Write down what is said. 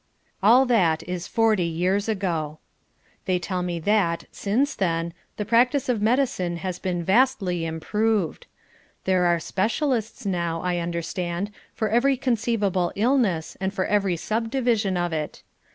All that is forty years ago. They tell me that, since then, the practice of medicine has been vastly improved. There are specialists now, I understand, for every conceivable illness and for every subdivision of it.